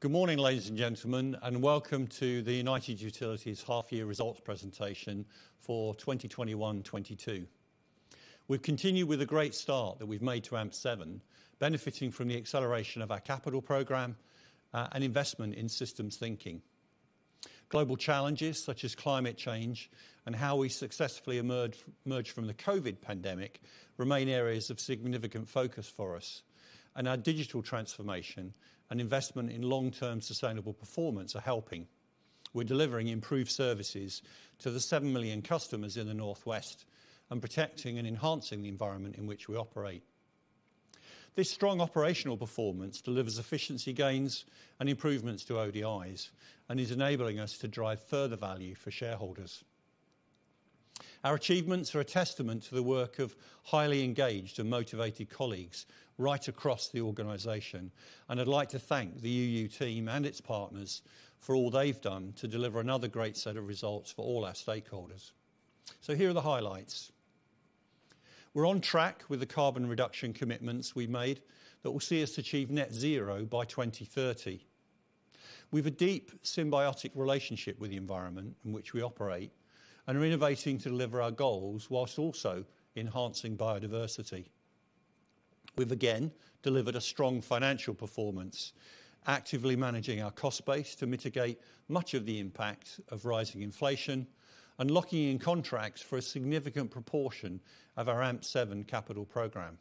Good morning, ladies and gentlemen, and welcome to the United Utilities H1 Results Presentation for 2021/2022. We've continued with the great start that we've made to AMP7, benefiting from the acceleration of our capital program and investment in systems thinking. Global challenges such as climate change and how we successfully emerged from the COVID pandemic remain areas of significant focus for us, and our digital transformation and investment in long-term sustainable performance are helping. We're delivering improved services to the seven million customers in the North West and protecting and enhancing the environment in which we operate. This strong operational performance delivers efficiency gains and improvements to ODIs and is enabling us to drive further value for shareholders. Our achievements are a testament to the work of highly engaged and motivated colleagues right across the organization, and I'd like to thank the UU team and its partners for all they've done to deliver another great set of results for all our stakeholders. Here are the highlights. We're on track with the carbon reduction commitments we made that will see us achieve net zero by 2030. We've a deep symbiotic relationship with the environment in which we operate and are innovating to deliver our goals whilst also enhancing biodiversity. We've again delivered a strong financial performance, actively managing our cost base to mitigate much of the impact of rising inflation and locking in contracts for a significant proportion of our AMP7 capital program.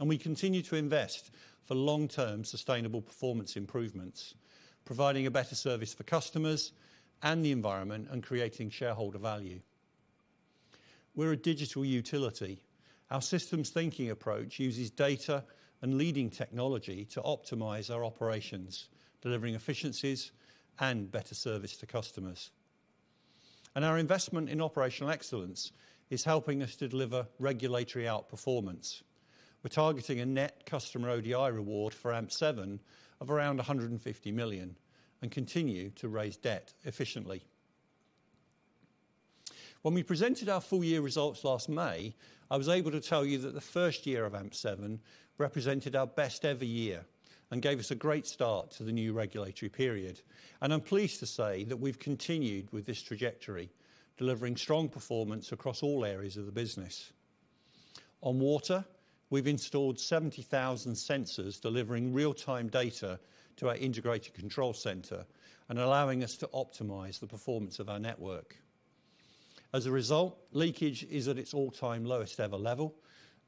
We continue to invest for long-term sustainable performance improvements, providing a better service for customers and the environment and creating shareholder value. We're a digital utility. Our systems thinking approach uses data and leading technology to optimize our operations, delivering efficiencies and better service to customers. Our investment in operational excellence is helping us to deliver regulatory outperformance. We're targeting a net customer ODI reward for AMP7 of around 150 million and continue to raise debt efficiently. When we presented our full-year results last May, I was able to tell you that the first year of AMP7 represented our best-ever year and gave us a great start to the new regulatory period. I'm pleased to say that we've continued with this trajectory, delivering strong performance across all areas of the business. On water, we've installed 70,000 sensors delivering real-time data to our integrated control center and allowing us to optimize the performance of our network. As a result, leakage is at its all-time lowest ever level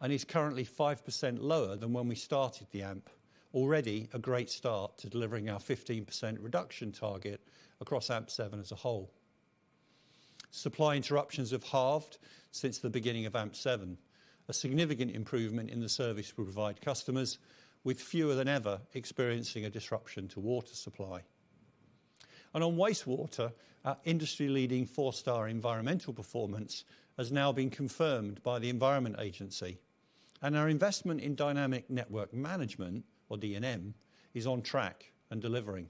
and is currently 5% lower than when we started the AMP. Already a great start to delivering our 15% reduction target across AMP7 as a whole. Supply interruptions have halved since the beginning of AMP7, a significant improvement in the service we provide customers, with fewer than ever experiencing a disruption to water supply. On wastewater, our industry-leading four-star environmental performance has now been confirmed by the Environment Agency and our investment in dynamic network management, or DNM, is on track and delivering.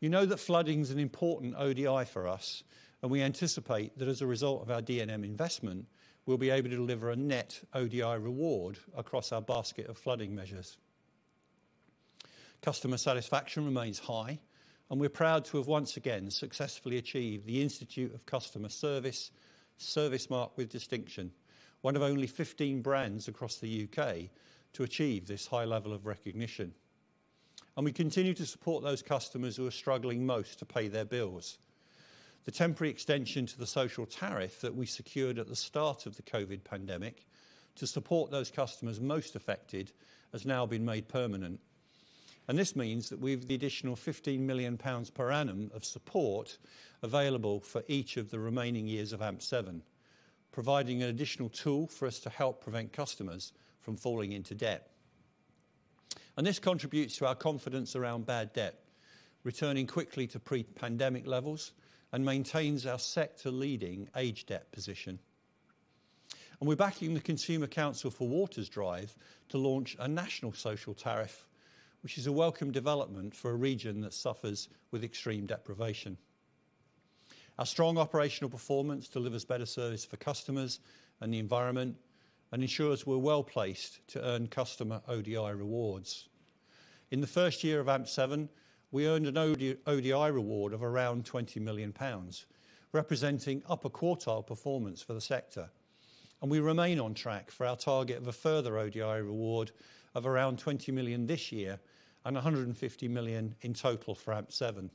You know that flooding is an important ODI for us, and we anticipate that as a result of our DNM investment, we'll be able to deliver a net ODI reward across our basket of flooding measures. Customer satisfaction remains high, and we're proud to have once again successfully achieved the Institute of Customer Service ServiceMark with Distinction, one of only 15 brands across the U.K. to achieve this high level of recognition. We continue to support those customers who are struggling most to pay their bills. The temporary extension to the social tariff that we secured at the start of the COVID pandemic to support those customers most affected has now been made permanent. This means that we've the additional 15 million pounds per annum of support available for each of the remaining years of AMP7, providing an additional tool for us to help prevent customers from falling into debt. This contributes to our confidence around bad debt, returning quickly to pre-pandemic levels and maintains our sector-leading age debt position. We're backing the Consumer Council for Water's drive to launch a national social tariff, which is a welcome development for a region that suffers with extreme deprivation. Our strong operational performance delivers better service for customers and the environment and ensures we're well-placed to earn customer ODI rewards. In the first year of AMP7, we earned an ODI reward of around 20 million pounds, representing upper quartile performance for the sector. We remain on track for our target of a further ODI reward of around 20 million this year and 150 million in total for AMP7.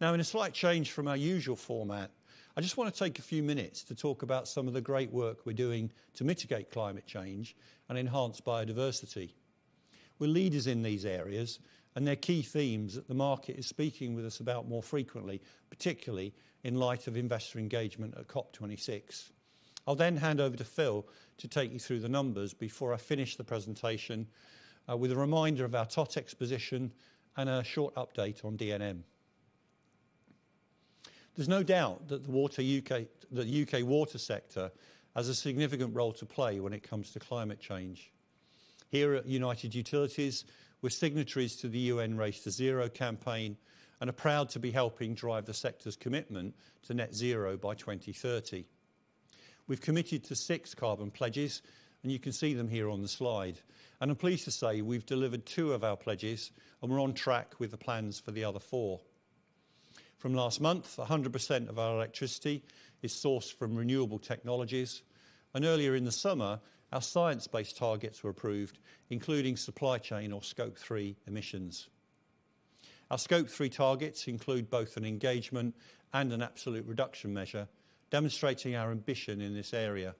Now in a slight change from our usual format, I just want to take a few minutes to talk about some of the great work we're doing to mitigate climate change and enhance biodiversity. We're leaders in these areas, and they're key themes that the market is speaking with us about more frequently, particularly in light of investor engagement at COP26. I'll then hand over to Phil to take you through the numbers before I finish the presentation with a reminder of our totex position and a short update on DNM. There's no doubt that the UK water sector has a significant role to play when it comes to climate change. Here at United Utilities, we're signatories to the UN Race to Zero campaign and are proud to be helping drive the sector's commitment to net zero by 2030. We've committed to six carbon pledges, and you can see them here on the slide. I'm pleased to say we've delivered two of our pledges, and we're on track with the plans for the other four. From last month, 100% of our electricity is sourced from renewable technologies. Earlier in the summer, our science-based targets were approved, including supply chain or Scope 3 emissions. Our Scope 3 targets include both an engagement and an absolute reduction measure, demonstrating our ambition in this area.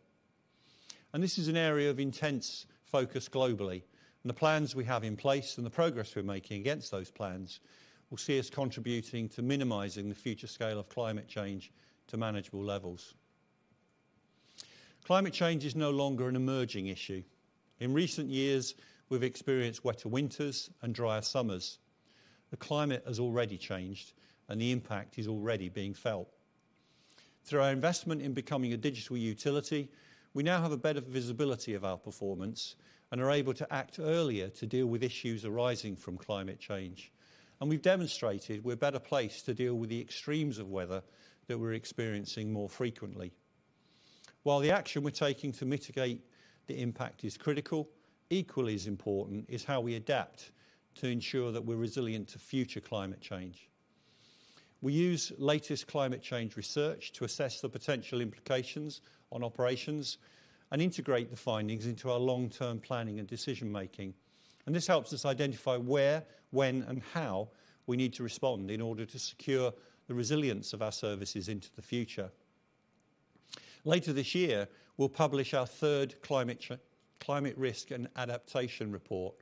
This is an area of intense focus globally. The plans we have in place and the progress we're making against those plans will see us contributing to minimizing the future scale of climate change to manageable levels. Climate change is no longer an emerging issue. In recent years, we've experienced wetter winters and drier summers. The climate has already changed, and the impact is already being felt. Through our investment in becoming a digital utility, we now have a better visibility of our performance and are able to act earlier to deal with issues arising from climate change. We've demonstrated we're better placed to deal with the extremes of weather that we're experiencing more frequently. While the action we're taking to mitigate the impact is critical, equally as important is how we adapt to ensure that we're resilient to future climate change. We use latest climate change research to assess the potential implications on operations and integrate the findings into our long-term planning and decision-making. This helps us identify where, when, and how we need to respond in order to secure the resilience of our services into the future. Later this year, we'll publish our third climate risk and adaptation report,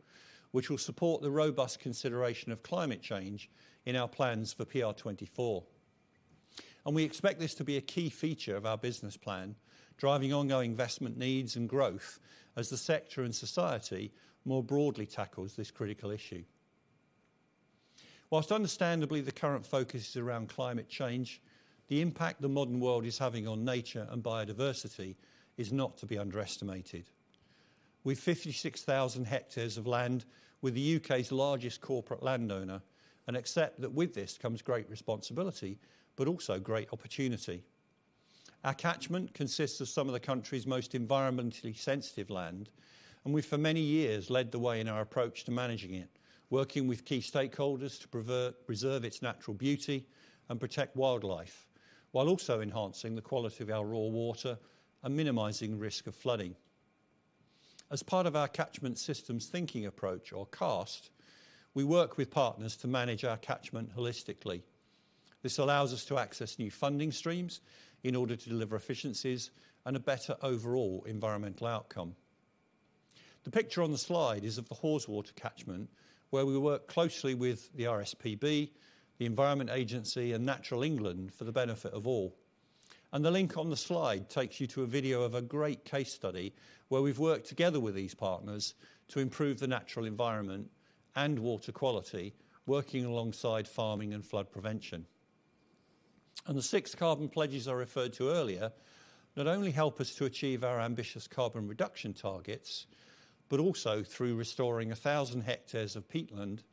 which will support the robust consideration of climate change in our plans for PR 24. We expect this to be a key feature of our business plan, driving ongoing investment needs and growth as the sector and society more broadly tackles this critical issue. While understandably the current focus is around climate change, the impact the modern world is having on nature and biodiversity is not to be underestimated. With 56,000 hectares of land, we're the U.K.'s largest corporate landowner and accept that with this comes great responsibility, but also great opportunity. Our catchment consists of some of the country's most environmentally sensitive land, and we've for many years led the way in our approach to managing it, working with key stakeholders to reserve its natural beauty and protect wildlife, while also enhancing the quality of our raw water and minimizing risk of flooding. As part of our catchment systems thinking approach or CAST, we work with partners to manage our catchment holistically. This allows us to access new funding streams in order to deliver efficiencies and a better overall environmental outcome. The picture on the slide is of the Haweswater catchment, where we work closely with the RSPB, the Environment Agency, and Natural England for the benefit of all. The link on the slide takes you to a video of a great case study where we've worked together with these partners to improve the natural environment and water quality, working alongside farming and flood prevention. The six carbon pledges I referred to earlier not only help us to achieve our ambitious carbon reduction targets, but also through restoring 1,000 hectares of peatland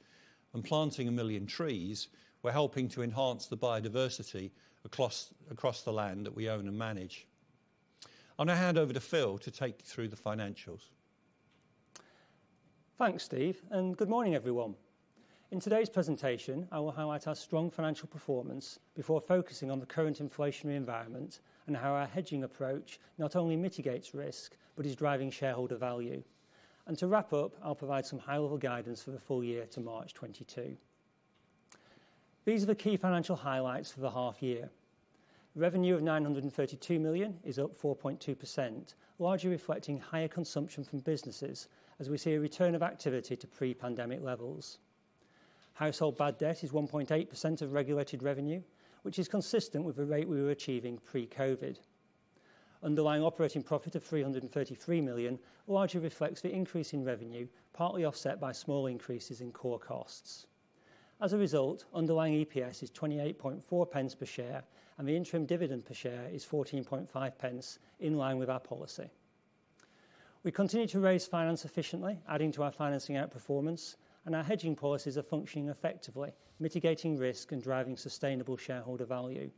and planting 1 million trees, we're helping to enhance the biodiversity across the land that we own and manage. I'll now hand over to Phil to take you through the financials. Thanks, Steve, and good morning, everyone. In today's presentation, I will highlight our strong financial performance before focusing on the current inflationary environment and how our hedging approach not only mitigates risk but is driving shareholder value. To wrap up, I'll provide some high-level guidance for the full year to March 2022. These are the key financial highlights for the half year. Revenue of 932 million is up 4.2%, largely reflecting higher consumption from businesses as we see a return of activity to pre-pandemic levels. Household bad debt is 1.8% of regulated revenue, which is consistent with the rate we were achieving pre-COVID. Underlying operating profit of 333 million largely reflects the increase in revenue, partly offset by small increases in core costs. As a result, underlying EPS is 28.4 pence per share, and the interim dividend per share is 14.5 pence, in line with our policy. We continue to raise finance efficiently, adding to our financing outperformance, and our hedging policies are functioning effectively, mitigating risk and driving sustainable shareholder value.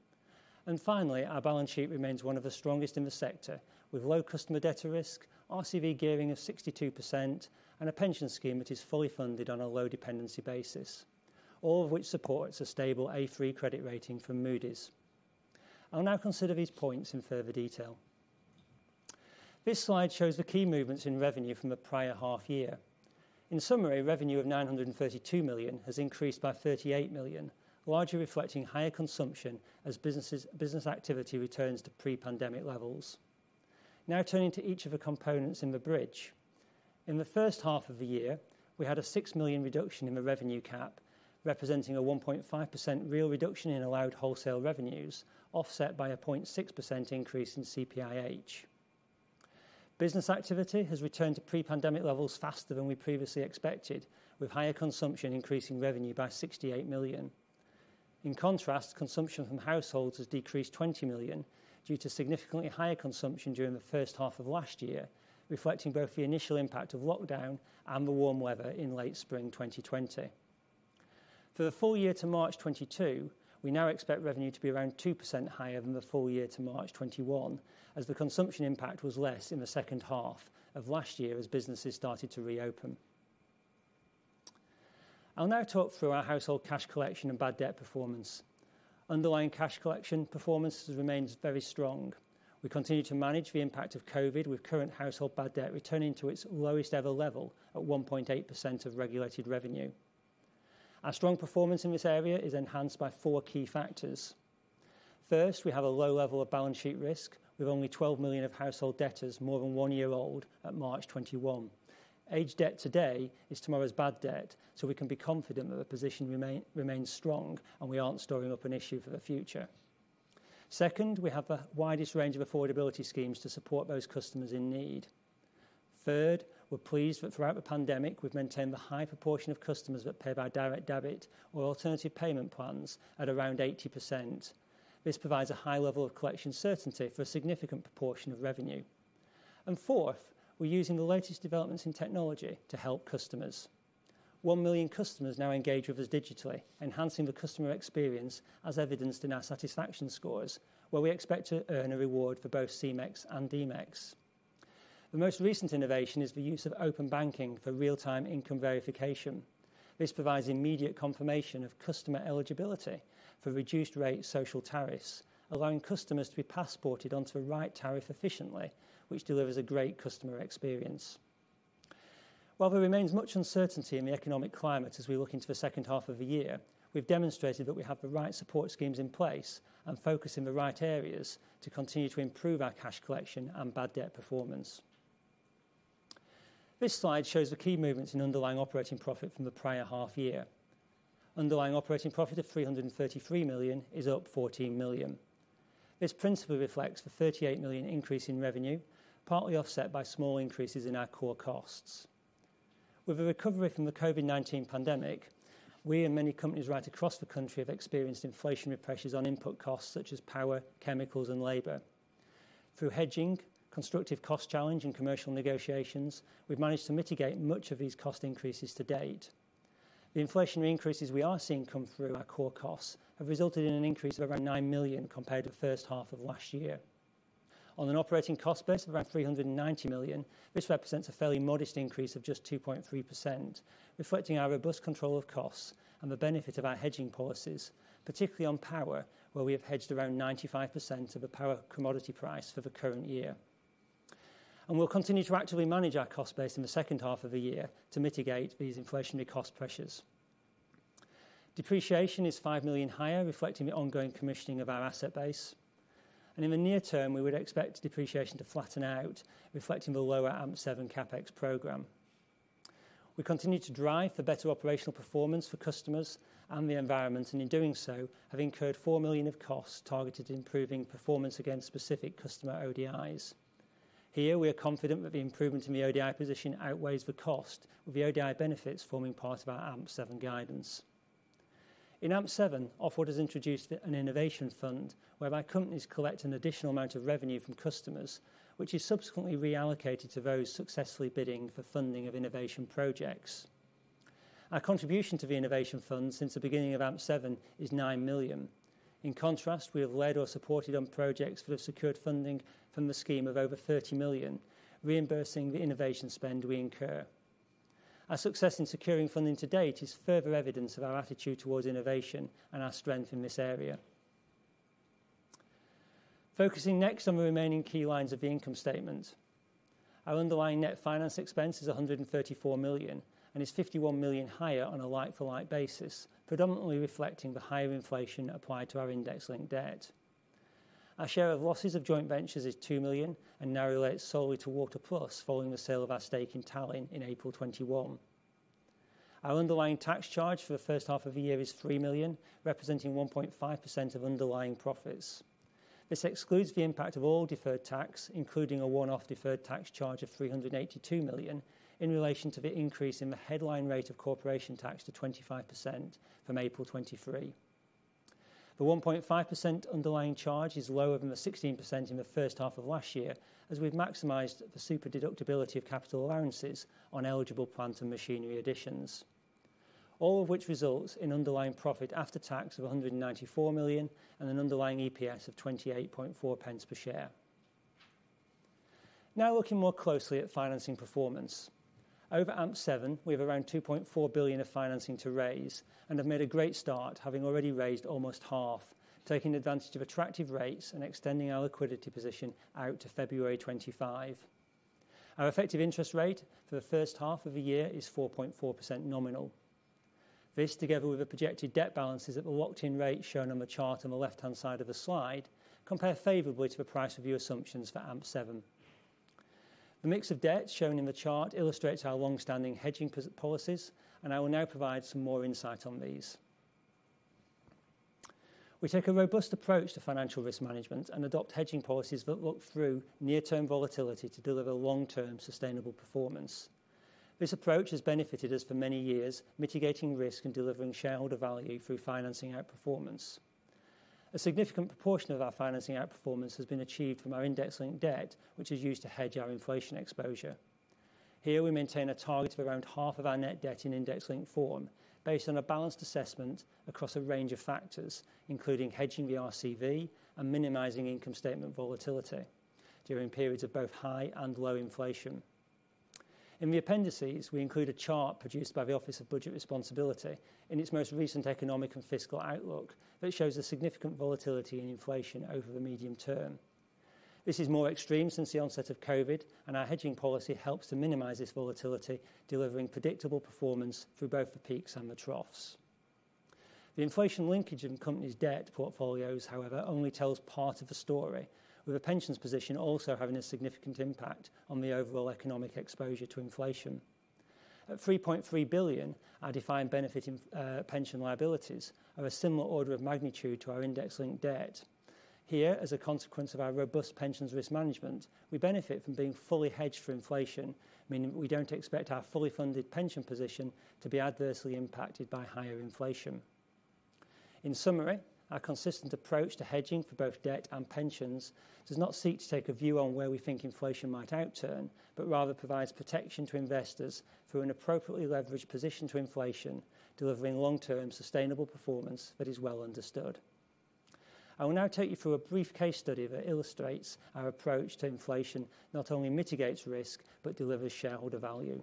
Finally, our balance sheet remains one of the strongest in the sector, with low customer debtor risk, RCV gearing of 62%, and a pension scheme that is fully funded on a low dependency basis, all of which supports a stable A3 credit rating from Moody's. I'll now consider these points in further detail. This slide shows the key movements in revenue from the prior half year. In summary, revenue of 932 million has increased by 38 million, largely reflecting higher consumption as business activity returns to pre-pandemic levels. Now turning to each of the components in the bridge. In the first half of the year, we had a 6 million reduction in the revenue cap, representing a 1.5% real reduction in allowed wholesale revenues, offset by a 0.6% increase in CPIH. Business activity has returned to pre-pandemic levels faster than we previously expected, with higher consumption increasing revenue by 68 million. In contrast, consumption from households has decreased 20 million due to significantly higher consumption during the first half of last year, reflecting both the initial impact of lockdown and the warm weather in late spring 2020. For the full year to March 2022, we now expect revenue to be around 2% higher than the full year to March 2022, as the consumption impact was less in the H2 of last year as businesses started to reopen. I'll now talk through our household cash collection and bad debt performance. Underlying cash collection performance has remained very strong. We continue to manage the impact of COVID with current household bad debt returning to its lowest ever level at 1.8% of regulated revenue. Our strong performance in this area is enhanced by four key factors. First, we have a low level of balance sheet risk with only 12 million of household debtors more than one year old at March 2021. Aged debt today is tomorrow's bad debt, so we can be confident that the position remains strong and we aren't storing up an issue for the future. Second, we have the widest range of affordability schemes to support those customers in need. Third, we're pleased that throughout the pandemic we've maintained the high proportion of customers that pay by direct debit or alternative payment plans at around 80%. This provides a high level of collection certainty for a significant proportion of revenue. Fourth, we're using the latest developments in technology to help customers. One million customers now engage with us digitally, enhancing the customer experience as evidenced in our satisfaction scores, where we expect to earn a reward for both C-MeX and D-MeX. The most recent innovation is the use of open banking for real-time income verification. This provides immediate confirmation of customer eligibility for reduced rate social tariffs, allowing customers to be passported onto the right tariff efficiently, which delivers a great customer experience. While there remains much uncertainty in the economic climate as we look into the second half of the year, we've demonstrated that we have the right support schemes in place and focus in the right areas to continue to improve our cash collection and bad debt performance. This slide shows the key movements in underlying operating profit from the prior half year. Underlying operating profit of 333 million is up 14 million. This principally reflects the 38 million increase in revenue, partly offset by small increases in our core costs. With the recovery from the COVID-19 pandemic, we and many companies right across the country have experienced inflationary pressures on input costs such as power, chemicals, and labor. Through hedging, constructive cost challenge, and commercial negotiations, we've managed to mitigate much of these cost increases to date. The inflationary increases we are seeing come through our core costs have resulted in an increase of around 9 million compared to the first half of last year. On an operating cost base of around 390 million, this represents a fairly modest increase of just 2.3%, reflecting our robust control of costs and the benefit of our hedging policies, particularly on power, where we have hedged around 95% of the power commodity price for the current year. We'll continue to actively manage our cost base in the second half of the year to mitigate these inflationary cost pressures. Depreciation is 5 million higher, reflecting the ongoing commissioning of our asset base. In the near term, we would expect depreciation to flatten out, reflecting the lower AMP7 capex program. We continue to drive for better operational performance for customers and the environment, and in doing so, have incurred 4 million of costs targeted at improving performance against specific customer ODIs. Here, we are confident that the improvement in the ODI position outweighs the cost, with the ODI benefits forming part of our AMP7 guidance. In AMP7, Ofwat has introduced an innovation fund whereby companies collect an additional amount of revenue from customers, which is subsequently reallocated to those successfully bidding for funding of innovation projects. Our contribution to the innovation fund since the beginning of AMP7 is 9 million. In contrast, we have led or supported on projects that have secured funding from the scheme of over 30 million, reimbursing the innovation spend we incur. Our success in securing funding to date is further evidence of our attitude towards innovation and our strength in this area. Focusing next on the remaining key lines of the income statement. Our underlying net finance expense is 134 million and is 51 million higher on a like-for-like basis, predominantly reflecting the higher inflation applied to our index-linked debt. Our share of losses of joint ventures is 2 million and now relates solely to Water Plus following the sale of our stake in Tallinn in April 2021. Our underlying tax charge for the first half of the year is 3 million, representing 1.5% of underlying profits. This excludes the impact of all deferred tax, including a one-off deferred tax charge of 382 million in relation to the increase in the headline rate of corporation tax to 25% from April 2023. The 1.5% underlying charge is lower than the 16% in the first half of last year, as we've maximized the super-deduction of capital allowances on eligible plant and machinery additions. All of which results in underlying profit after tax of 194 million and an underlying EPS of 28.4 pence per share. Now looking more closely at financing performance. Over AMP7, we have around 2.4 billion of financing to raise and have made a great start, having already raised almost half, taking advantage of attractive rates and extending our liquidity position out to February 2025. Our effective interest rate for the first half of the year is 4.4% nominal. This, together with the projected debt balances at the locked-in rate shown on the chart on the left-hand side of the slide, compare favorably to the price review assumptions for AMP7. The mix of debt shown in the chart illustrates our long-standing hedging policies, and I will now provide some more insight on these. We take a robust approach to financial risk management and adopt hedging policies that look through near-term volatility to deliver long-term sustainable performance. This approach has benefited us for many years, mitigating risk and delivering shareholder value through financing outperformance. A significant proportion of our financing outperformance has been achieved from our index-linked debt, which is used to hedge our inflation exposure. Here we maintain a target of around half of our net debt in index-linked form based on a balanced assessment across a range of factors, including hedging the RCV and minimizing income statement volatility during periods of both high and low inflation. In the appendices, we include a chart produced by the Office for Budget Responsibility in its most recent economic and fiscal outlook that shows a significant volatility in inflation over the medium term. This is more extreme since the onset of COVID, and our hedging policy helps to minimize this volatility, delivering predictable performance through both the peaks and the troughs. The inflation linkage in the company's debt portfolios, however, only tells part of the story, with the pensions position also having a significant impact on the overall economic exposure to inflation. At 3.3 billion, our defined benefit pension liabilities are a similar order of magnitude to our index-linked debt. Here, as a consequence of our robust pensions risk management, we benefit from being fully hedged for inflation, meaning we don't expect our fully funded pension position to be adversely impacted by higher inflation. In summary, our consistent approach to hedging for both debt and pensions does not seek to take a view on where we think inflation might outturn, but rather provides protection to investors through an appropriately leveraged position to inflation, delivering long-term sustainable performance that is well understood. I will now take you through a brief case study that illustrates our approach to inflation not only mitigates risk, but delivers shareholder value.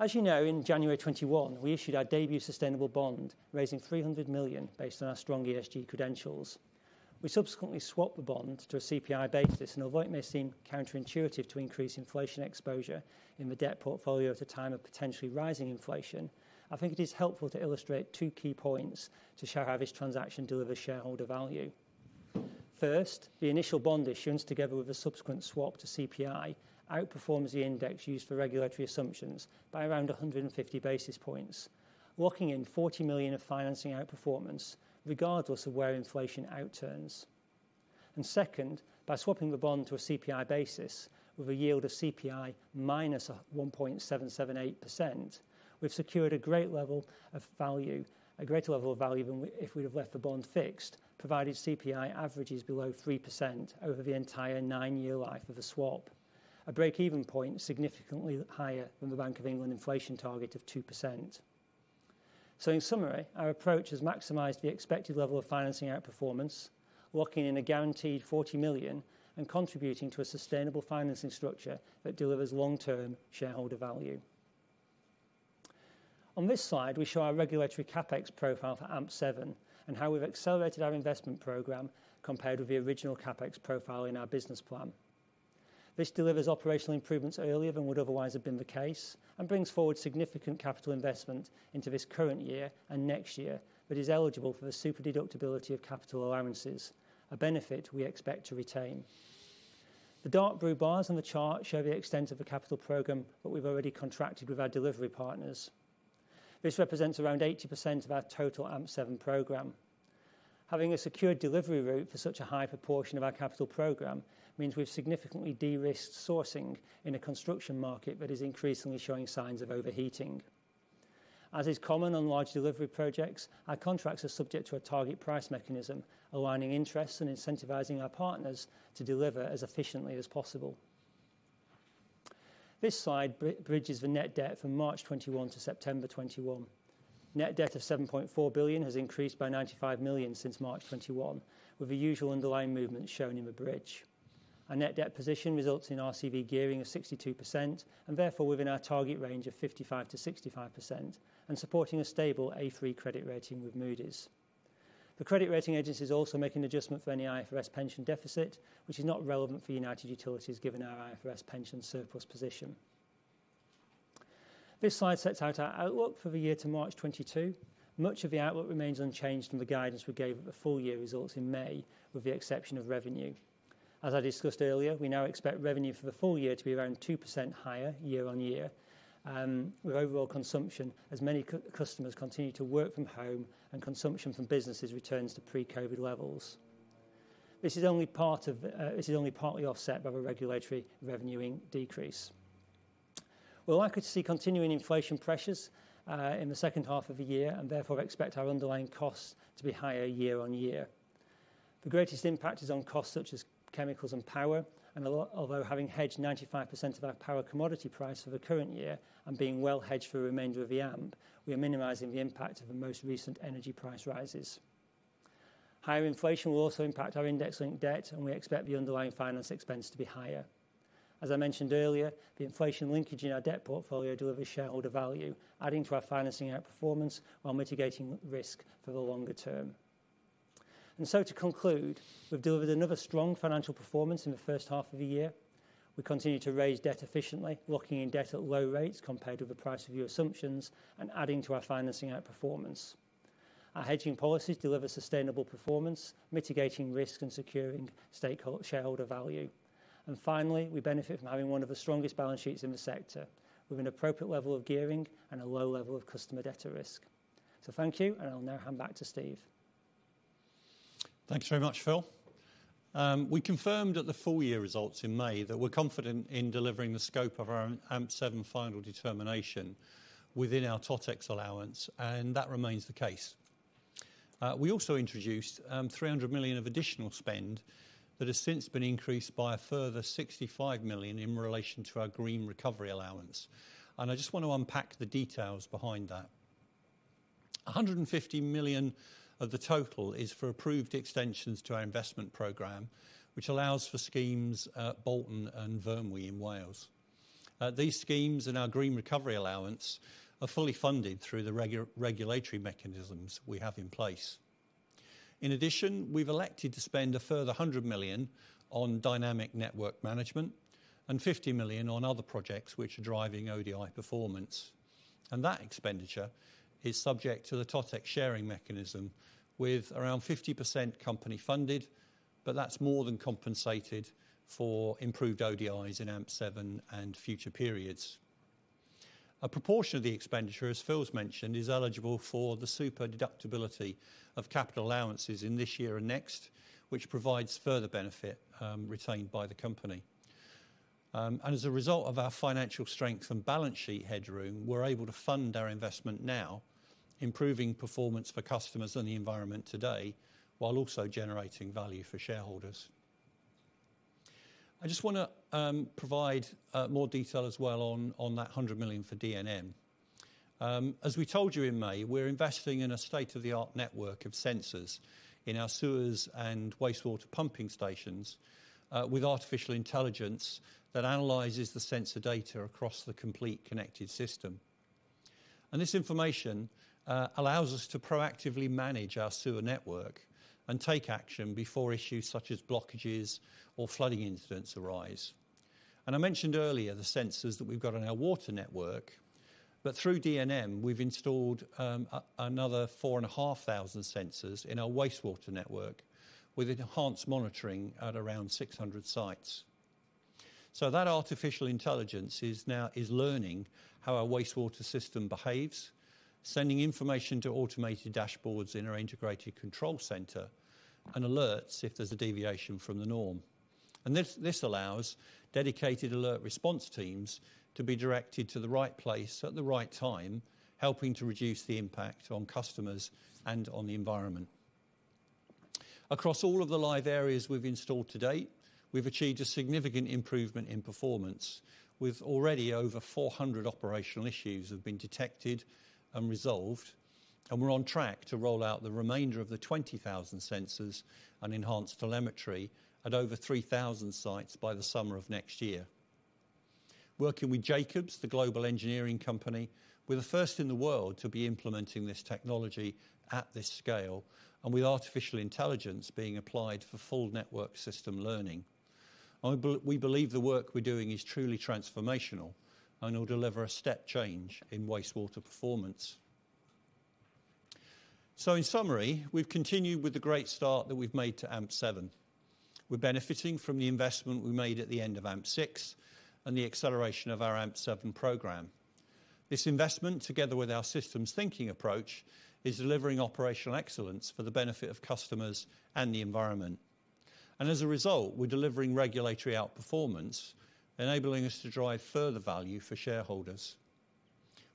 As you know, in January 2021, we issued our debut sustainable bond, raising 300 million based on our strong ESG credentials. We subsequently swapped the bond to a CPI basis, and although it may seem counterintuitive to increase inflation exposure in the debt portfolio at a time of potentially rising inflation, I think it is helpful to illustrate two key points to show how this transaction delivers shareholder value. First, the initial bond issuance, together with a subsequent swap to CPI, outperforms the index used for regulatory assumptions by around 150 basis points, locking in 40 million of financing outperformance regardless of where inflation outturns. Second, by swapping the bond to a CPI basis with a yield of CPI minus 1.778%, we've secured a great level of value, a greater level of value than we, if we'd have left the bond fixed, provided CPI average is below 3% over the entire nine-year life of the swap. A break-even point significantly higher than the Bank of England inflation target of 2%. In summary, our approach has maximized the expected level of financing outperformance, locking in a guaranteed 40 million and contributing to a sustainable financing structure that delivers long-term shareholder value. On this slide, we show our regulatory capex profile for AMP7 and how we've accelerated our investment program compared with the original capex profile in our business plan. This delivers operational improvements earlier than would otherwise have been the case and brings forward significant capital investment into this current year and next year, that is eligible for the super-deduction of capital allowances, a benefit we expect to retain. The dark blue bars on the chart show the extent of the capital program that we've already contracted with our delivery partners. This represents around 80% of our total AMP7 program. Having a secure delivery route for such a high proportion of our capital program means we've significantly de-risked sourcing in a construction market that is increasingly showing signs of overheating. As is common on large delivery projects, our contracts are subject to a target price mechanism, aligning interests and incentivizing our partners to deliver as efficiently as possible. This slide bridges the net debt from March 2021 to September 2021. Net debt of 7.4 billion has increased by 95 million since March 2021, with the usual underlying movement shown in the bridge. Our net debt position results in RCV gearing of 62% and therefore within our target range of 55% to 65% and supporting a stable A3 credit rating with Moody's. The credit rating agencies also make an adjustment for any IFRS pension deficit, which is not relevant for United Utilities given our IFRS pension surplus position. This slide sets out our outlook for the year to March 2022. Much of the outlook remains unchanged from the guidance we gave at the full-year results in May, with the exception of revenue. As I discussed earlier, we now expect revenue for the full year to be around 2% higher year-on-year, with overall consumption, as many customers continue to work from home and consumption from businesses returns to pre-COVID levels. This is only partly offset by the regulatory revenue decrease. We're likely to see continuing inflation pressures in the second half of the year and therefore expect our underlying costs to be higher year-on-year. The greatest impact is on costs such as chemicals and power. Although having hedged 95% of our power commodity price for the current year and being well hedged for the remainder of the AMP, we are minimizing the impact of the most recent energy price rises. Higher inflation will also impact our index-linked debt, and we expect the underlying finance expense to be higher. As I mentioned earlier, the inflation linkage in our debt portfolio deliver shareholder value, adding to our financing outperformance while mitigating risk for the longer term. To conclude, we've delivered another strong financial performance in the first half of the year. We continue to raise debt efficiently, locking in debt at low rates compared with the prior year assumptions and adding to our financing outperformance. Our hedging policies deliver sustainable performance, mitigating risk and securing shareholder value. Finally, we benefit from having one of the strongest balance sheets in the sector with an appropriate level of gearing and a low level of customer debtor risk. Thank you, and I'll now hand back to Steve. Thanks very much, Phil. We confirmed at the full-year results in May that we're confident in delivering the scope of our AMP7 final determination within our totex allowance, and that remains the case. We also introduced 300 million of additional spend that has since been increased by a further 65 million in relation to our Green recovery allowance, and I just want to unpack the details behind that. 150 million of the total is for approved extensions to our investment program, which allows for schemes at Bolton and Vyrnwy in Wales. These schemes and our Green recovery allowance are fully funded through the regulatory mechanisms we have in place. In addition, we've elected to spend a further 100 million on dynamic network management and 50 million on other projects which are driving ODI performance. That expenditure is subject to the totex sharing mechanism with around 50% company funded, but that's more than compensated for improved ODIs in AMP7 and future periods. A proportion of the expenditure, as Phil's mentioned, is eligible for the super deductibility of capital allowances in this year and next, which provides further benefit retained by the company. As a result of our financial strength and balance sheet headroom, we're able to fund our investment now, improving performance for customers and the environment today, while also generating value for shareholders. I just wanna provide more detail as well on that 100 million for DNM. As we told you in May, we're investing in a state-of-the-art network of sensors in our sewers and wastewater pumping stations with artificial intelligence that analyzes the sensor data across the complete connected system. This information allows us to proactively manage our sewer network and take action before issues such as blockages or flooding incidents arise. I mentioned earlier the sensors that we've got on our water network, but through DNM, we've installed another 4,500 sensors in our wastewater network with enhanced monitoring at around 600 sites. That artificial intelligence is now learning how our wastewater system behaves, sending information to automated dashboards in our integrated control center, and alerts if there's a deviation from the norm. This allows dedicated alert response teams to be directed to the right place at the right time, helping to reduce the impact on customers and on the environment. Across all of the live areas we've installed to date, we've achieved a significant improvement in performance with already over 400 operational issues have been detected and resolved, and we're on track to roll out the remainder of the 20,000 sensors and enhanced telemetry at over 3,000 sites by the summer of next year. Working with Jacobs, the global engineering company, we're the first in the world to be implementing this technology at this scale and with artificial intelligence being applied for full network system learning. We believe the work we're doing is truly transformational and will deliver a step change in wastewater performance. In summary, we've continued with the great start that we've made to AMP7. We're benefiting from the investment we made at the end of AMP6 and the acceleration of our AMP7 program. This investment, together with our systems thinking approach, is delivering operational excellence for the benefit of customers and the environment. As a result, we're delivering regulatory outperformance, enabling us to drive further value for shareholders.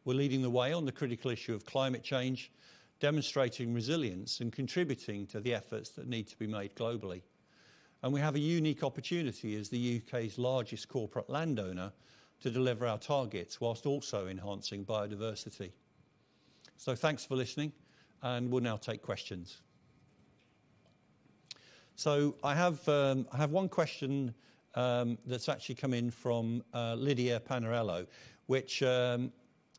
We're leading the way on the critical issue of climate change, demonstrating resilience and contributing to the efforts that need to be made globally. We have a unique opportunity as the U.K.'s largest corporate landowner to deliver our targets whilst also enhancing biodiversity. Thanks for listening, and we'll now take questions. I have one question that's actually come in from Lydia Panarello, which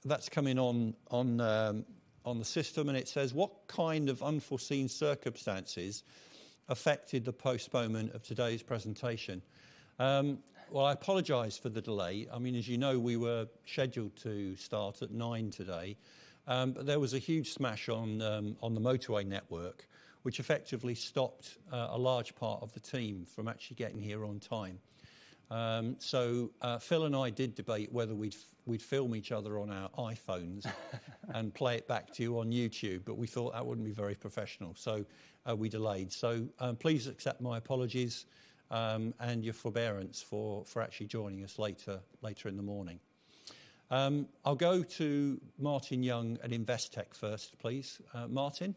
that's come in on the system, and it says: What kind of unforeseen circumstances affected the postponement of today's presentation? Well, I apologize for the delay. I mean, as you know, we were scheduled to start at 9:00AM today, but there was a huge smash on the motorway network, which effectively stopped a large part of the team from actually getting here on time. Phil and I did debate whether we'd film each other on our iPhones and play it back to you on YouTube, but we thought that wouldn't be very professional, so we delayed. Please accept my apologies and your forbearance for actually joining us later in the morning. I'll go to Martin Young at Investec first, please. Martin?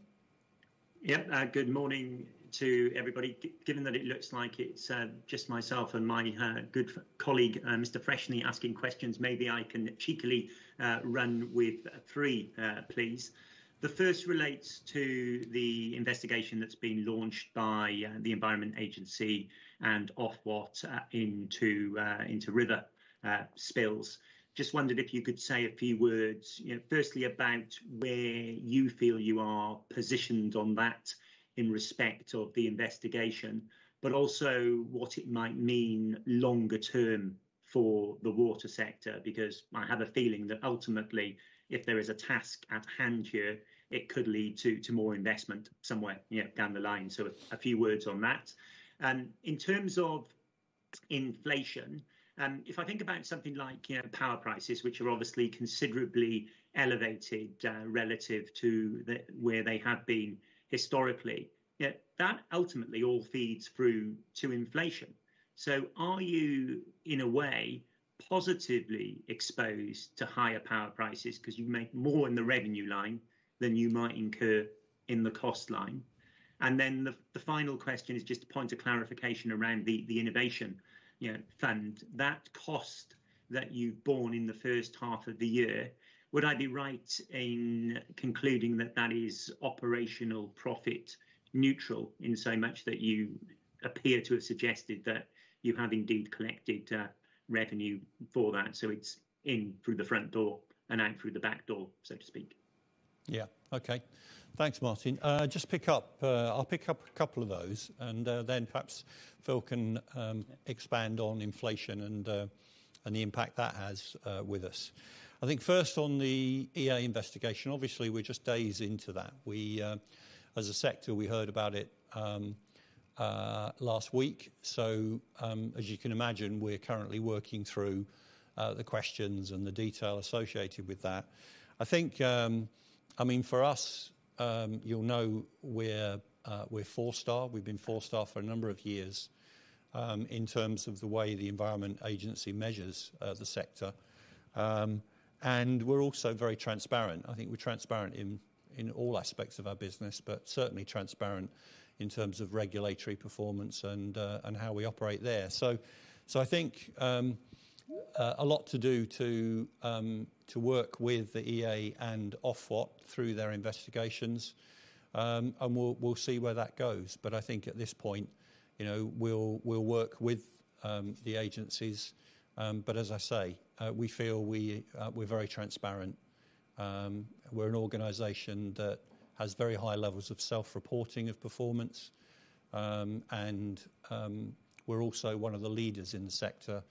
Yeah. Good morning to everybody. Given that it looks like it's just myself and my good colleague, Mr. Freshney asking questions, maybe I can cheekily run with three, please. The first relates to the investigation that's been launched by the Environment Agency and Ofwat into river spills. Just wondered if you could say a few words, you know, firstly about where you feel you are positioned on that in respect of the investigation, but also what it might mean longer term for the water sector, because I have a feeling that ultimately, if there is a task at hand here, it could lead to more investment somewhere, you know, down the line. A few words on that. In terms of inflation, if I think about something like, you know, power prices, which are obviously considerably elevated, relative to where they have been historically, you know, that ultimately all feeds through to inflation. Are you, in a way, positively exposed to higher power prices 'cause you make more in the revenue line than you might incur in the cost line? The final question is just a point of clarification around the innovation fund. That cost you've borne in the first half of the year, would I be right in concluding that that is operational profit neutral in so much that you appear to have suggested that you have indeed collected revenue for that? It's in through the front door and out through the back door, so to speak. Yeah. Okay. Thanks, Martin. I'll pick up a couple of those, and then perhaps Phil can expand on inflation and the impact that has with us. I think first on the EA investigation, obviously we're just days into that. As a sector, we heard about it last week. As you can imagine, we're currently working through the questions and the detail associated with that. I think, I mean, for us, you'll know we're four-star. We've been four-star for a number of years in terms of the way the Environment Agency measures the sector. We're also very transparent. I think we're transparent in all aspects of our business, but certainly transparent in terms of regulatory performance and how we operate there. I think a lot to do to work with the EA and Ofwat through their investigations. We'll see where that goes. I think at this point, you know, we'll work with the agencies. As I say, we feel we're very transparent. We're an organization that has very high levels of self-reporting of performance. We're also one of the leaders in the sector,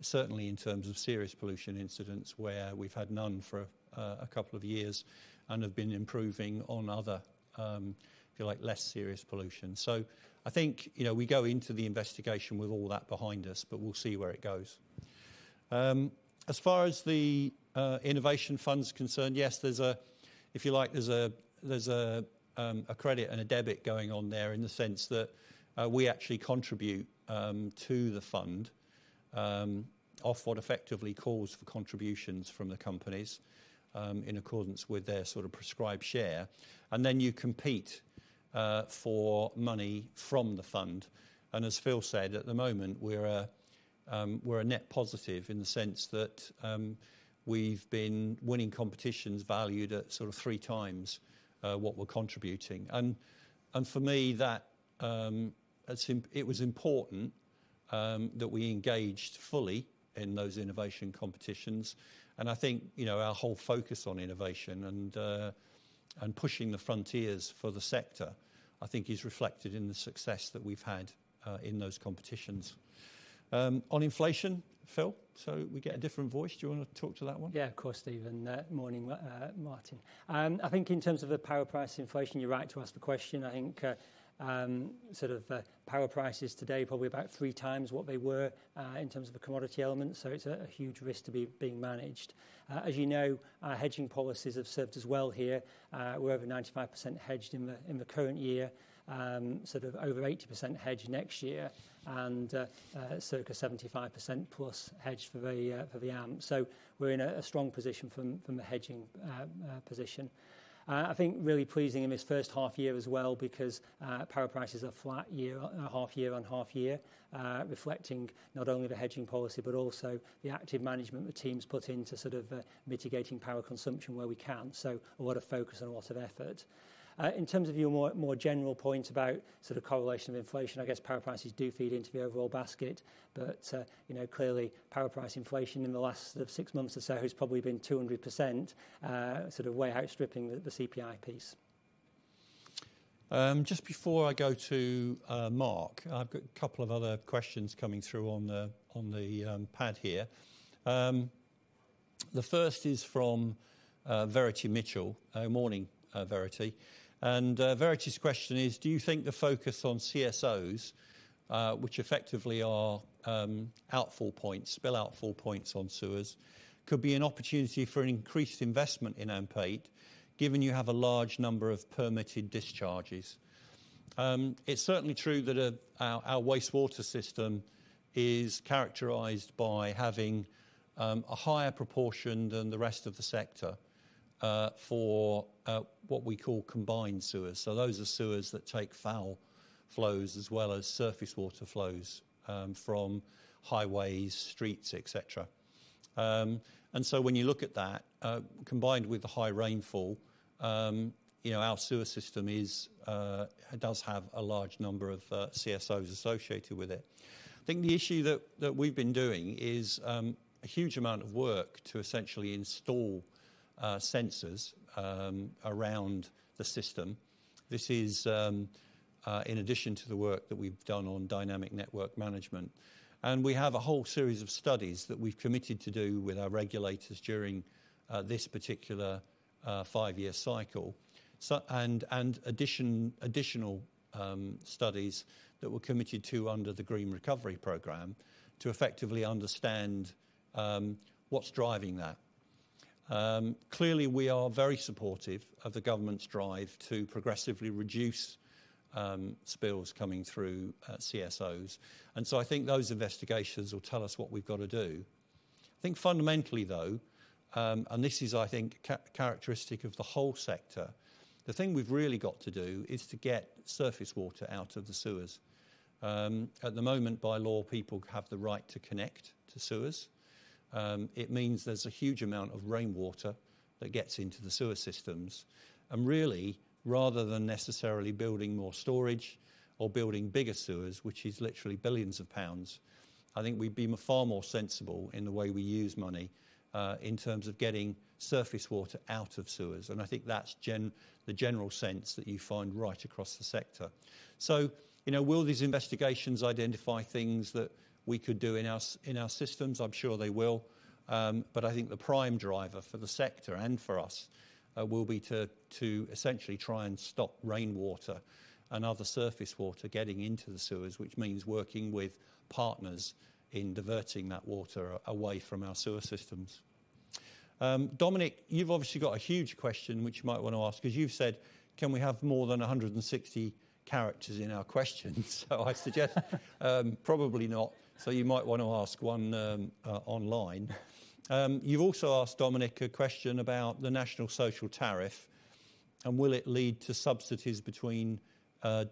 certainly in terms of serious pollution incidents, where we've had none for a couple of years and have been improving on other, if you like, less serious pollution. I think, you know, we go into the investigation with all that behind us, but we'll see where it goes. As far as the innovation fund's concerned, yes, there's a, if you like, a credit and a debit going on there in the sense that we actually contribute to the fund. Ofwat effectively calls for contributions from the companies in accordance with their sort of prescribed share, and then you compete for money from the fund. As Phil said, at the moment, we're a net positive in the sense that we've been winning competitions valued at sort of three times what we're contributing. For me, it was important that we engaged fully in those innovation competitions. I think, you know, our whole focus on innovation and pushing the frontiers for the sector, I think is reflected in the success that we've had in those competitions. On inflation, Phil, we get a different voice. Do you wanna talk to that one? Yeah, of course, Steve. Morning, Martin. I think in terms of the power price inflation, you're right to ask the question. I think sort of power price is today probably about three times what they were in terms of the commodity element. It's a huge risk being managed. As you know, our hedging policies have served us well here. We're over 95% hedged in the current year, sort of over 80% hedged next year and circa 75% plus hedged for the AMP. We're in a strong position from a hedging position. I think really pleasing in this first half-year as well because power prices are flat year-on-half-year, reflecting not only the hedging policy, but also the active management the team's put into sort of mitigating power consumption where we can. A lot of focus and a lot of effort. In terms of your more general point about sort of correlation of inflation, I guess power prices do feed into the overall basket, but you know, clearly power price inflation in the last 6 months or so has probably been 200%, sort of way outstripping the CPI piece. Just before I go to Mark, I've got a couple of other questions coming through on the pad here. The first is from Verity Mitchell. Morning, Verity. Verity's question is, do you think the focus on CSOs, which effectively are outfall points, spill outfall points on sewers, could be an opportunity for an increased investment in AMP8, given you have a large number of permitted discharges? It's certainly true that our wastewater system is characterized by having a higher proportion than the rest of the sector for what we call combined sewers. Those are sewers that take foul flows as well as surface water flows from highways, streets, et cetera. When you look at that, combined with the high rainfall, you know, our sewer system does have a large number of CSOs associated with it. I think the issue that we've been doing is a huge amount of work to essentially install sensors around the system. This is in addition to the work that we've done on Dynamic Network Management. We have a whole series of studies that we've committed to do with our regulators during this particular five-year cycle. Additional studies that we're committed to under the Green Recovery program to effectively understand what's driving that. Clearly, we are very supportive of the government's drive to progressively reduce spills coming through CSOs. I think those investigations will tell us what we've got to do. I think fundamentally, though, and this is, I think, characteristic of the whole sector, the thing we've really got to do is to get surface water out of the sewers. At the moment, by law, people have the right to connect to sewers. It means there's a huge amount of rainwater that gets into the sewer systems. Really, rather than necessarily building more storage or building bigger sewers, which is literally billions of pounds, I think we'd be far more sensible in the way we use money in terms of getting surface water out of sewers. I think that's the general sense that you find right across the sector. You know, will these investigations identify things that we could do in our systems? I'm sure they will. I think the prime driver for the sector and for us will be to essentially try and stop rainwater and other surface water getting into the sewers, which means working with partners in diverting that water away from our sewer systems. Dominic, you've obviously got a huge question which you might wanna ask 'cause you've said, "Can we have more than 160 characters in our questions?" I suggest probably not. You might want to ask one online. You've also asked, Dominic, a question about the national social tariff and will it lead to subsidies between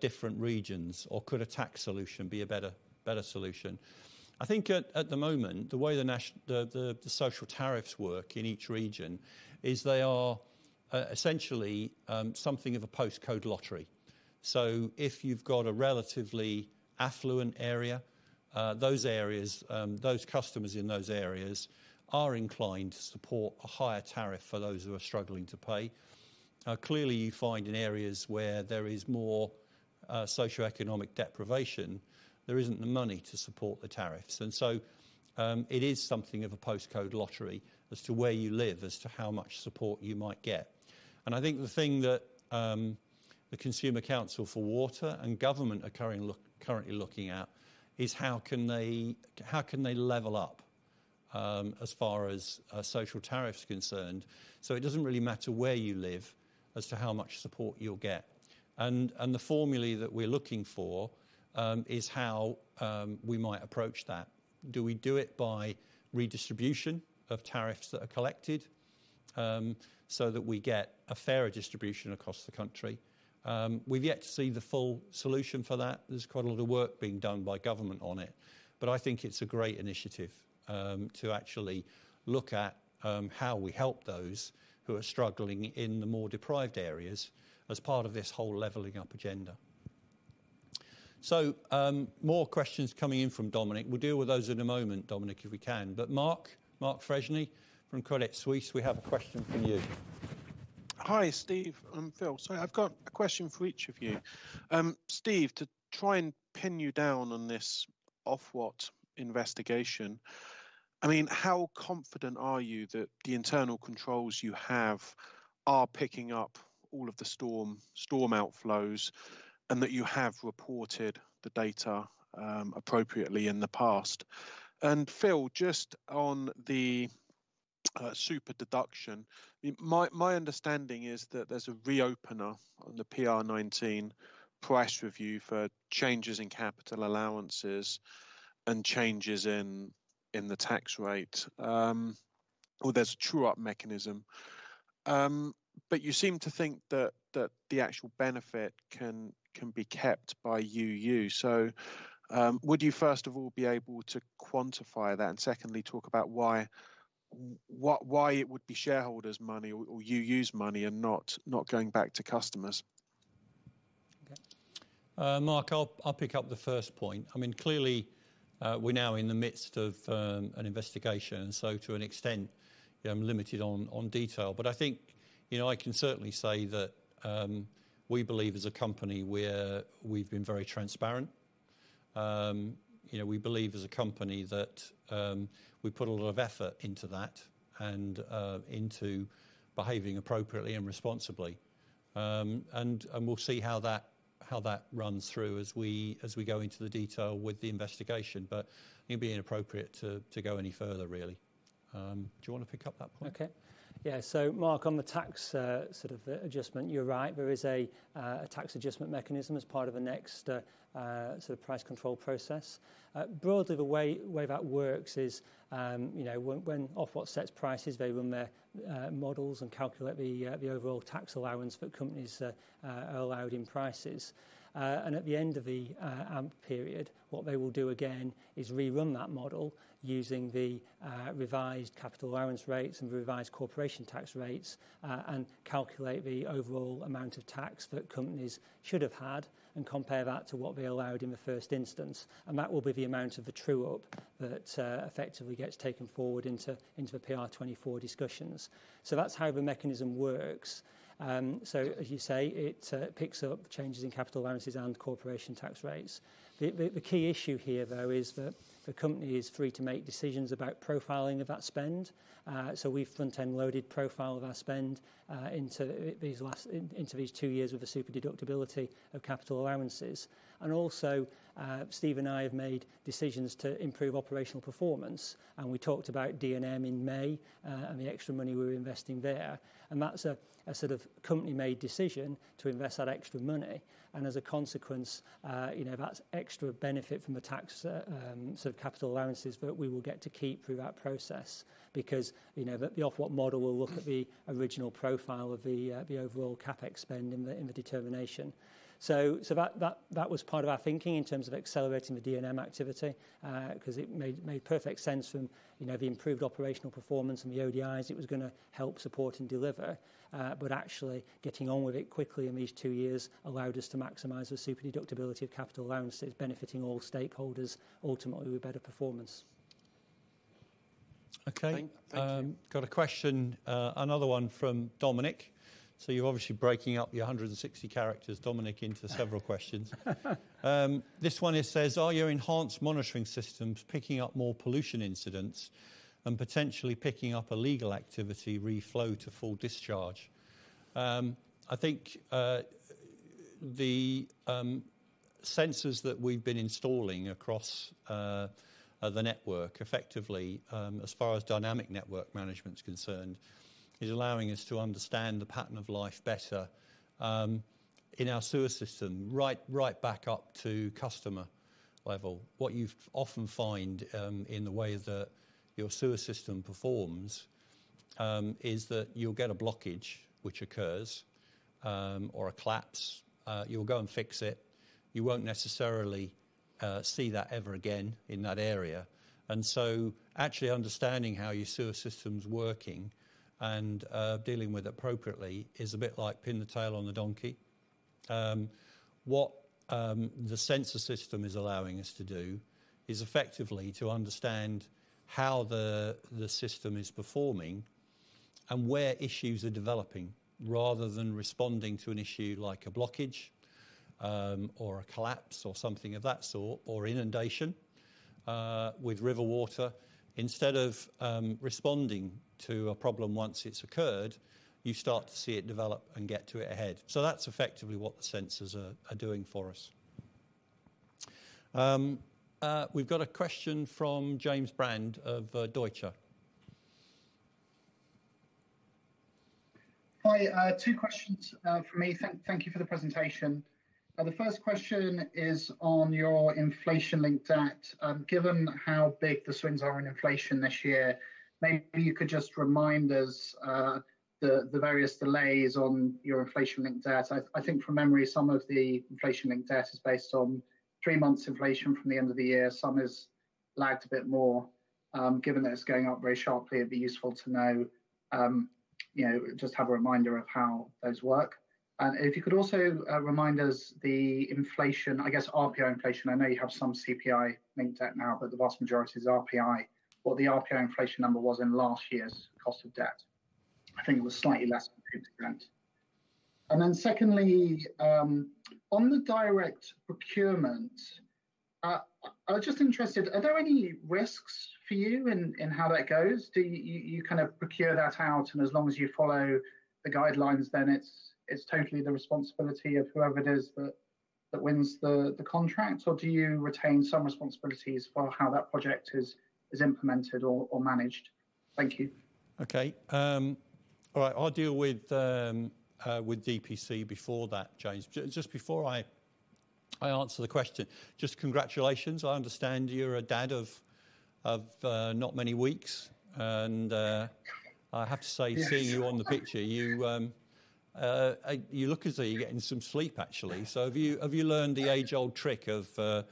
different regions or could a tax solution be a better solution. I think at the moment, the way the social tariffs work in each region is they are essentially something of a postcode lottery. If you've got a relatively affluent area, those areas, those customers in those areas are inclined to support a higher tariff for those who are struggling to pay. Clearly, you find in areas where there is more socioeconomic deprivation, there isn't the money to support the tariffs. It is something of a postcode lottery as to where you live as to how much support you might get. I think the thing that, the Consumer Council for Water and government are currently looking at is how can they, how can they level up, as far as a social tariff is concerned, so it doesn't really matter where you live as to how much support you'll get. The formulae that we're looking for, is how, we might approach that. Do we do it by redistribution of tariffs that are collected, so that we get a fairer distribution across the country? We've yet to see the full solution for that. There's quite a lot of work being done by government on it, but I think it's a great initiative, to actually look at, how we help those who are struggling in the more deprived areas as part of this whole leveling up agenda. More questions coming in from Dominic. We'll deal with those in a moment, Dominic, if we can. Mark Freshney from Credit Suisse, we have a question from you. Hi, Steve and Phil. I've got a question for each of you. Steve, to try and pin you down on this Ofwat investigation, I mean, how confident are you that the internal controls you have are picking up all of the storm outflows, and that you have reported the data appropriately in the past? Phil, just on the super deduction, my understanding is that there's a reopener on the PR19 price review for changes in capital allowances and changes in the tax rate, or there's a true-up mechanism. You seem to think that the actual benefit can be kept by UU. Would you first of all be able to quantify that, and secondly, talk about why it would be shareholders' money or UU's money and not going back to customers? Okay. Mark, I'll pick up the first point. I mean, clearly, we're now in the midst of an investigation, and so to an extent, you know, I'm limited on detail. I think, you know, I can certainly say that we believe as a company we've been very transparent. You know, we believe as a company that we put a lot of effort into that and into behaving appropriately and responsibly. We'll see how that runs through as we go into the detail with the investigation. It'd be inappropriate to go any further, really. Do you wanna pick up that point? Okay. Yeah. Mark, on the tax sort of adjustment, you're right. There is a tax adjustment mechanism as part of the next sort of price control process. Broadly, the way that works is, you know, when Ofwat sets prices, they run their models and calculate the overall tax allowance that companies are allowed in prices. At the end of the AMP period, what they will do again is rerun that model using the revised capital allowance rates and revised corporation tax rates, and calculate the overall amount of tax that companies should have had and compare that to what they allowed in the first instance. That will be the amount of the true-up that effectively gets taken forward into the PR24 discussions. That's how the mechanism works. As you say, it picks up changes in capital allowances and corporation tax rates. The key issue here, though, is that the company is free to make decisions about profiling of that spend. We've front-end loaded profile of our spend into these two years with the super deductibility of capital allowances. Also, Steve and I have made decisions to improve operational performance, and we talked about DNM in May and the extra money we're investing there. That's a sort of company-made decision to invest that extra money. As a consequence, you know, that's extra benefit from the tax, sort of capital allowances that we will get to keep through that process because, you know, the Ofwat model will look at the original profile of the overall CapEx spend in the determination. So that was part of our thinking in terms of accelerating the DNM activity, 'cause it made perfect sense from, you know, the improved operational performance and the ODIs it was gonna help support and deliver. But actually getting on with it quickly in these two years allowed us to maximize the super deductibility of capital allowances benefiting all stakeholders ultimately with better performance. Okay. Thank you. Got a question, another one from Dominic. You're obviously breaking up your 160 characters, Dominic, into several questions. This one it says, "Are your enhanced monitoring systems picking up more pollution incidents and potentially picking up illegal activity re flow to full discharge?" I think the sensors that we've been installing across the network effectively, as far as Dynamic Network Management's concerned, is allowing us to understand the pattern of life better in our sewer system, right back up to customer level. What you often find in the way that your sewer system performs is that you'll get a blockage which occurs or a collapse. You'll go and fix it. You won't necessarily see that ever again in that area. Actually understanding how your sewer system's working and, dealing with it appropriately is a bit like pin the tail on the donkey. The sensor system is allowing us to do is effectively to understand how the system is performing and where issues are developing, rather than responding to an issue like a blockage, or a collapse or something of that sort, or inundation, with river water. Instead of, responding to a problem once it's occurred, you start to see it develop and get to it ahead. That's effectively what the sensors are doing for us. We've got a question from James Brand of, Deutsche. Hi. Two questions from me. Thank you for the presentation. The first question is on your inflation-linked debt. Given how big the swings are in inflation this year, maybe you could just remind us the various details on your inflation-linked debt. I think from memory, some of the inflation-linked debt is based on three months inflation from the end of the year. Some is lagged a bit more. Given that it's going up very sharply, it'd be useful to know, you know, just have a reminder of how those work. If you could also remind us the inflation, I guess RPI inflation, I know you have some CPI-linked debt now, but the vast majority is RPI, what the RPI inflation number was in last year's cost of debt. I think it was slightly less than 2%. Secondly, on the direct procurement, I was just interested, are there any risks for you in how that goes? Do you kind of procure that out, and as long as you follow the guidelines, then it's totally the responsibility of whoever it is that wins the contract, or do you retain some responsibilities for how that project is implemented or managed? Thank you. Okay. All right, I'll deal with DPC before that, James. Just before I answer the question, just congratulations. I understand you're a dad of not many weeks. I have to say- Yes.... seeing you on the picture, you look as though you're getting some sleep actually. Have you learned the age-old trick of the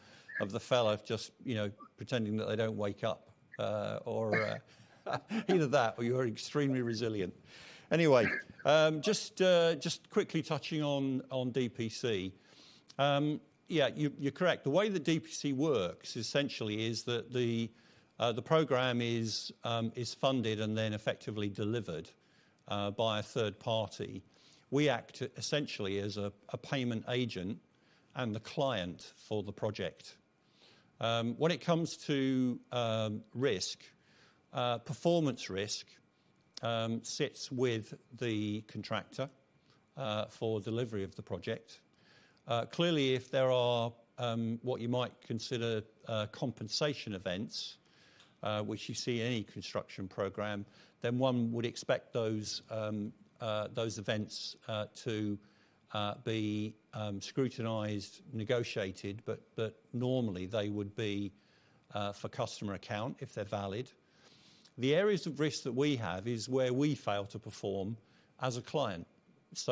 fella just, you know, pretending that they don't wake up? Either that, or you're extremely resilient. Anyway, just quickly touching on DPC. Yeah, you're correct. The way that DPC works essentially is that the program is funded and then effectively delivered by a third party. We act essentially as a payment agent and the client for the project. When it comes to risk, performance risk sits with the contractor for delivery of the project. Clearly, if there are what you might consider compensation events, which you see in any construction program, then one would expect those events to be scrutinized, negotiated, but normally they would be for customer account if they're valid. The areas of risk that we have is where we fail to perform as a client.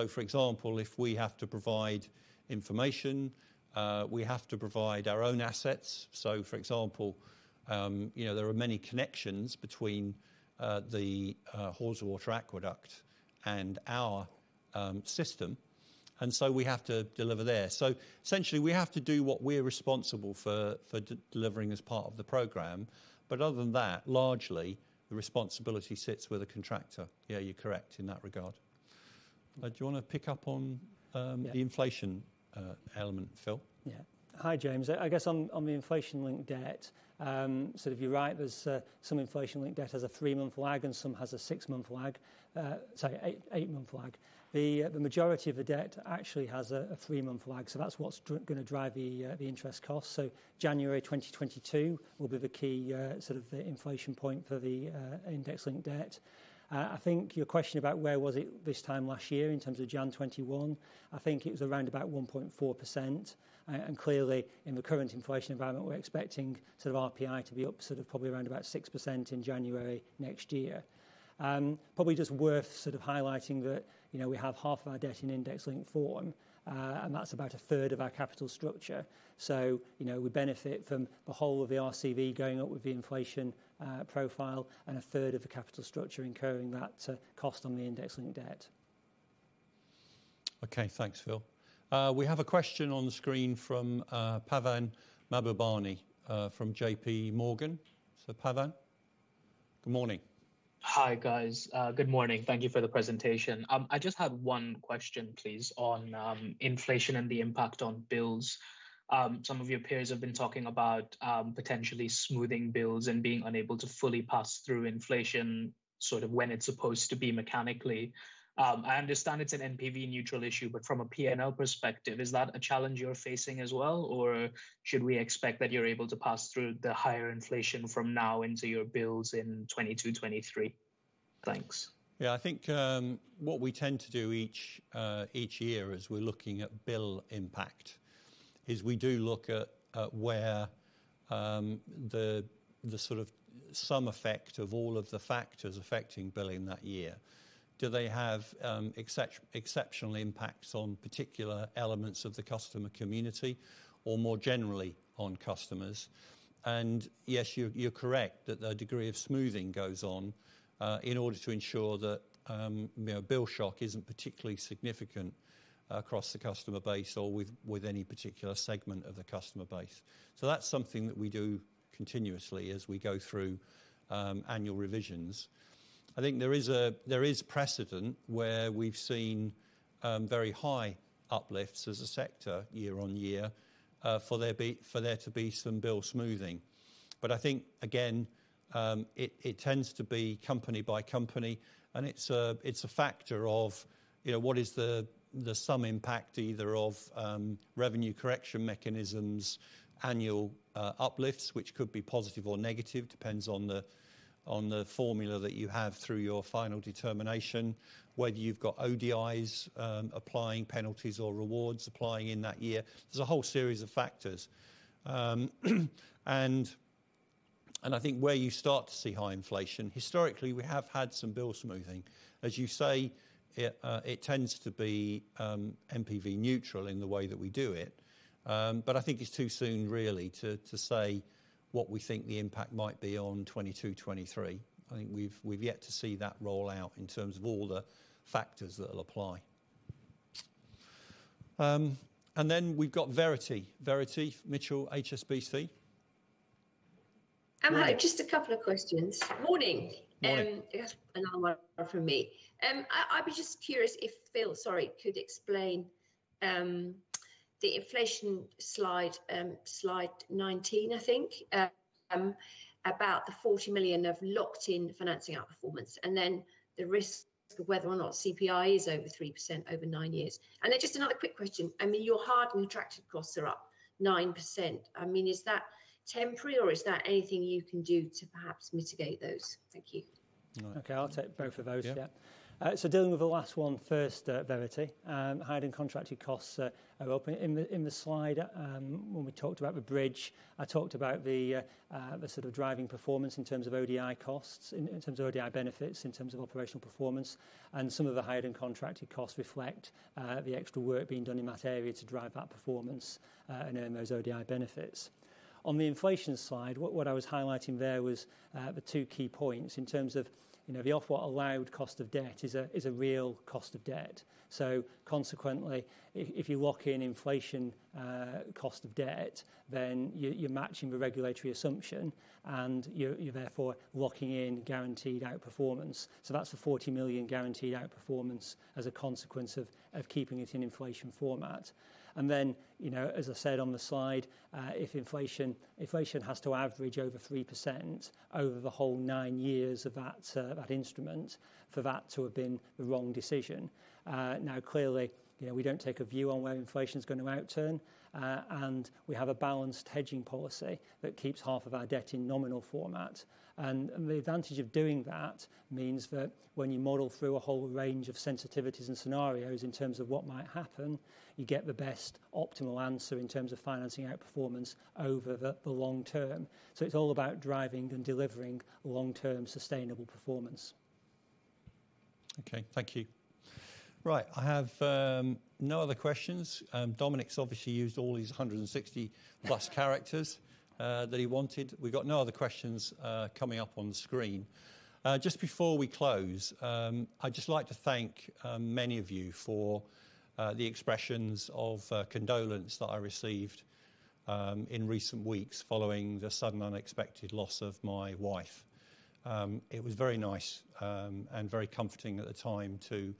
For example, if we have to provide information, we have to provide our own assets. For example, you know, there are many connections between the Haweswater Aqueduct and our system, and so we have to deliver there. Essentially, we have to do what we're responsible for, delivering as part of the program. Other than that, largely the responsibility sits with the contractor. Yeah, you're correct in that regard. Do you wanna pick up on the inflation element, Phil? Yeah. Hi, James. I guess on the inflation-linked debt, sort of you're right. There's some inflation-linked debt has a three month lag, and some has a six month lag. Sorry, eight month lag. The majority of the debt actually has a three month lag, so that's what's gonna drive the interest cost. January 2022 will be the key sort of the inflation point for the index-linked debt. I think your question about where was it this time last year in terms of January 2021, I think it was around about 1.4%. Clearly in the current inflation environment, we're expecting sort of RPI to be up sort of probably around about 6% in January next year. Probably just worth sort of highlighting that, you know, we have half of our debt in index-linked form, and that's about a third of our capital structure. You know, we benefit from the whole of the RCV going up with the inflation profile and a third of the capital structure incurring that cost on the index-linked debt. Okay. Thanks, Phil. We have a question on the screen from Pavan Mahbubani from JPMorgan. Pavan, good morning. Hi, guys. Good morning. Thank you for the presentation. I just had one question, please, on inflation and the impact on bills. Some of your peers have been talking about potentially smoothing bills and being unable to fully pass through inflation, sort of, when it's supposed to be mechanically. I understand it's an NPV neutral issue, but from a P&L perspective, is that a challenge you're facing as well? Or should we expect that you're able to pass through the higher inflation from now into your bills in 2022, 2023? Thanks. Yeah. I think what we tend to do each year as we're looking at bill impact is we do look at where the sort of sum effect of all of the factors affecting billing that year. Do they have exceptional impacts on particular elements of the customer community or more generally on customers? Yes, you're correct that a degree of smoothing goes on in order to ensure that you know, bill shock isn't particularly significant across the customer base or with any particular segment of the customer base. That's something that we do continuously as we go through annual revisions. I think there is precedent where we've seen very high uplifts as a sector year-over-year for there to be some bill smoothing. I think, again, it tends to be company by company, and it's a factor of, you know, what is the sum impact either of revenue correction mechanisms, annual uplifts, which could be positive or negative, depends on the formula that you have through your final determination. Whether you've got ODIs applying penalties or rewards applying in that year. There's a whole series of factors. I think where you start to see high inflation, historically, we have had some bill smoothing. As you say, it tends to be NPV neutral in the way that we do it. I think it's too soon really to say what we think the impact might be on 2022, 2023. I think we've yet to see that roll out in terms of all the factors that'll apply. We've got Verity Mitchell, HSBC. Hi. Just a couple of questions. Morning. Morning. Another one from me. I'd be just curious if Phil, sorry, could explain the inflation slide 19, I think, about the 40 million of locked-in financing outperformance and then the risk of whether or not CPI is over 3% over nine years. Then just another quick question. I mean, your higher and contracted costs are up 9%. I mean, is that temporary or is that anything you can do to perhaps mitigate those? Thank you. All right. Okay. I'll take both of those. Yeah. Dealing with the last one first, Verity. Hired and contracted costs are up. In the slide, when we talked about the bridge, I talked about the sort of driving performance in terms of ODI costs and in terms of ODI benefits, in terms of operational performance, and some of the hired and contracted costs reflect the extra work being done in that area to drive that performance and earn those ODI benefits. On the inflation slide, what I was highlighting there was the two key points in terms of, you know, the Ofwat allowed cost of debt is a real cost of debt. Consequently, if you lock in inflation-linked cost of debt, then you're matching the regulatory assumption and you're therefore locking in guaranteed outperformance. That's the 40 million guaranteed outperformance as a consequence of keeping it in inflation format. Then, you know, as I said on the slide, if inflation has to average over 3% over the whole nine years of that instrument for that to have been the wrong decision. Now, clearly, you know, we don't take a view on where inflation is gonna outturn. We have a balanced hedging policy that keeps half of our debt in nominal format. The advantage of doing that means that when you model through a whole range of sensitivities and scenarios in terms of what might happen, you get the best optimal answer in terms of financing outperformance over the long term. It's all about driving and delivering long-term sustainable performance. Okay. Thank you. Right. I have no other questions. Dominic's obviously used all his 160+ characters that he wanted. We've got no other questions coming up on the screen. Just before we close, I'd just like to thank many of you for the expressions of condolence that I received in recent weeks following the sudden unexpected loss of my wife. It was very nice and very comforting at the time to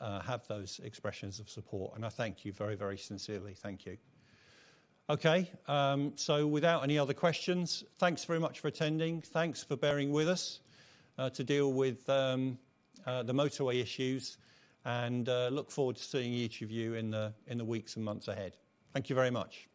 have those expressions of support. I thank you very, very sincerely. Thank you. Okay. So without any other questions, thanks very much for attending. Thanks for bearing with us to deal with the motorway issues, and look forward to seeing each of you in the weeks and months ahead. Thank you very much.